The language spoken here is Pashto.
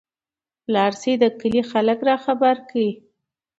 لاړشى د کلي خلک راخبر کړى.